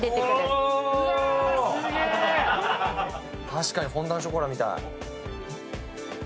確かにフォンダンショコラみたい。